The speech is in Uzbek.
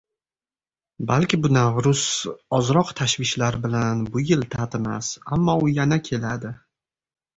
Balki bu Navruz, ozroq tashvishlar bilan bu yil tatimas, ammo u yana keladi